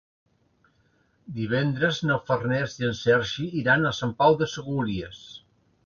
Divendres na Farners i en Sergi iran a Sant Pau de Segúries.